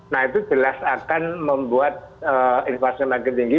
nah itu jelas akan membuat inflasi makin tinggi